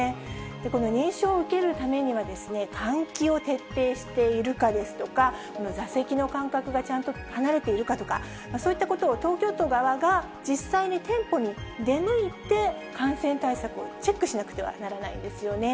この認証を受けるためには、換気を徹底しているかですとか、座席の間隔がちゃんと離れているかとか、そういったことを東京都側が実際に店舗に出向いて感染対策をチェックしなくてはならないんですよね。